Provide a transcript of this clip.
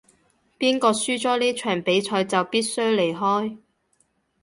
邊個輸咗呢場比賽就必須離開